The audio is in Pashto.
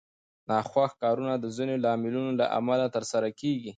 ناخوښ کارونه د ځینو لاملونو له امله ترسره کېږي.